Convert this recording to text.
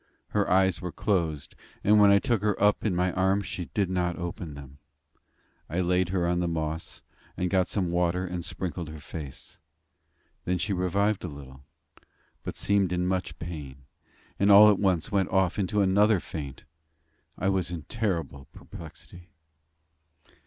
Her eyes were closed, and when I took her up in my arms she did not open them. I laid her on the moss, and got some water and sprinkled her face. Then she revived a little; but seemed in much pain, and all at once went off into another faint. I was in terrible perplexity.